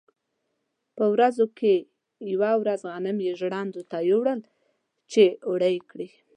په ورځو کې یوه ورځ غنم یې ژرندې ته یووړل چې اوړه کړي.